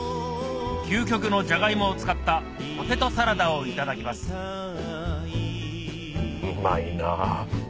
究極のジャガイモを使ったポテトサラダをいただきますうまいなぁ。